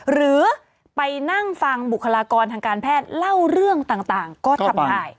หรือไปนั่งฟังบุคลากรทางการแพทย์เล่าเรื่องต่างก็ทำได้